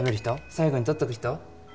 最後にとっとく人？